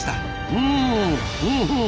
うんふんふん